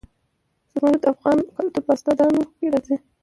زمرد د افغان کلتور په داستانونو کې راځي.